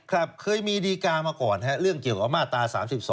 ครับเคยมีดีการ์มาก่อนเรื่องเกี่ยวกับมาตรา๓๒